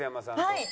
はい。